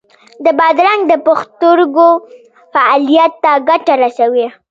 د بادرنګ د پښتورګو فعالیت ته ګټه رسوي.